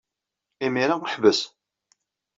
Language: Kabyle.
Imir-a, ḥbes!